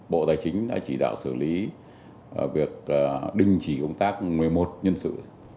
bộ tài chính đã chỉ đạo xử lý việc đình chỉ công tác một mươi một nhân sự